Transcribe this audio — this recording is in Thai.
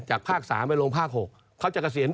จากภาค๓ไปลงภาค๖